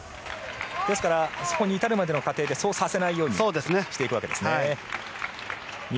ですからそこに至るまでの過程でそうさせないようにしていくわけですね。